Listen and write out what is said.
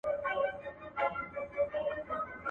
د اهریمن د اولادونو زانګو.